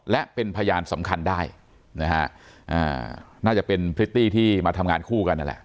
และเป็นพยานสำคัญได้นะฮะน่าจะเป็นพริตตี้ที่มาทำงานคู่กันนั่นแหละ